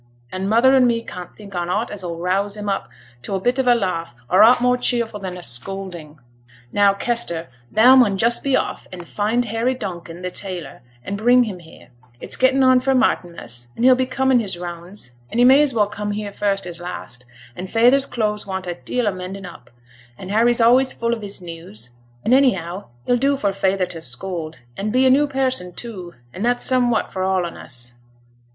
An' mother and me can't think on aught as 'll rouse him up to a bit of a laugh, or aught more cheerful than a scolding. Now, Kester, thou mun just be off, and find Harry Donkin th' tailor, and bring him here; it's gettin' on for Martinmas, an' he'll be coming his rounds, and he may as well come here first as last, and feyther's clothes want a deal o' mending up, and Harry's always full of his news, and anyhow he'll do for feyther to scold, an' be a new person too, and that's somewhat for all on us.